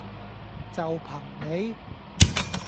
就憑你?